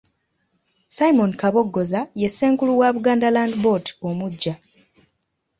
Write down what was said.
Simon Kabogoza ye ssenkulu wa Buganda Land Board omuggya.